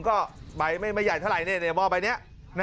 ก็ใบไม่ใหญ่เท่าไหร่เนี่ยในหม้อใบเนี่ย